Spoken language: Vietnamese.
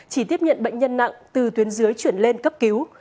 chỉ tiếp nhận bệnh nhân nặng từ tuyến dưới chuyển lên cấp cứu